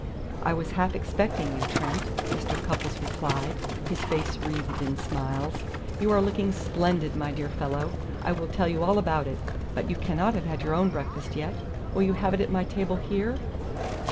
"I was half expecting you, Trent," Mr. Cupples replied, his face wreathed in smiles. "You are looking splendid, my dear fellow. I will tell you all about it. But you cannot have had your own breakfast yet. Will you have it at my table here?"